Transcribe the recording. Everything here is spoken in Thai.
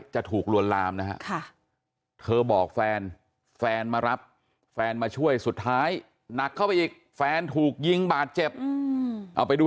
จะถูกรวรรมนะฮะเธอบอกแฟนแฟนมารับแฟนมาช่วยสุดท้ายหนักเข้าไปอีกแฟนถูกยิงบาดเจ็บเอาไปดู